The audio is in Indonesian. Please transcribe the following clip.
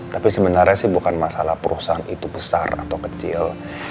tapi sebenarnya sih bukan masalah perusahaan itu besar atau kecil